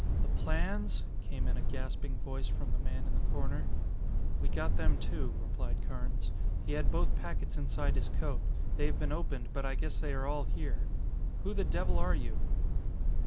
"The plans?" came in a gasping voice from the man in the corner. "We got them, too," replied Carnes. "He had both packets inside his coat. They have been opened, but I guess they are all here. Who the devil are you?"